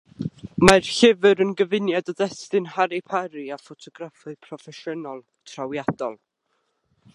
Mae'r llyfr yn gyfuniad o destun Harri Parri a ffotograffau proffesiynol, trawiadol.